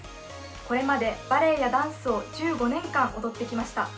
これまでバレエやダンスを１５年間踊ってきました。